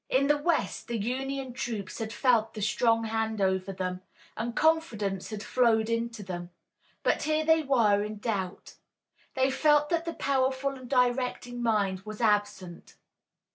In the west the Union troops had felt the strong hand over them, and confidence had flowed into them, but here they were in doubt. They felt that the powerful and directing mind was absent.